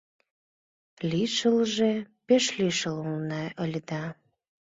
— Лишылже... пеш лишыл улына ыле да...